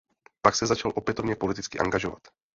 Pak se začal opětovně politicky angažovat.